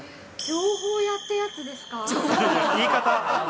情報屋ってやつですか？